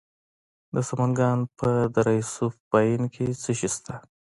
د سمنګان په دره صوف پاین کې څه شی شته؟